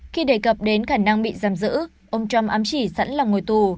khi đề cập đến khả năng bị giam giữ ông trump ám chỉ sẵn lòng ngồi tù